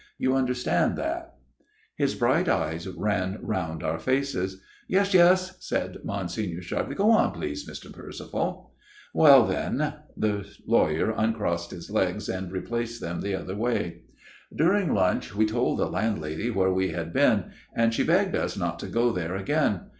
You understand that ?" His bright eyes ran round our faces. " Yes, yes," said Monsignor sharply, " go on, please, Mr. Percival." " WeU then !" The lawyer uncrossed his legs and replaced them the other way. MR. PERCIVAL'S TALE 273 " During lunch we told the landlady where we had been ; and she begged us not to go there again.